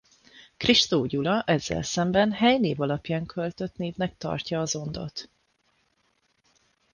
Kristó Gyula ezzel szemben helynév alapján költött névnek tartja az Ondot.